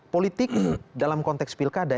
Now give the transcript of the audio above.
politik dalam konteks pilkada